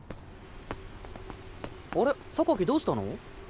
あれどうしたの？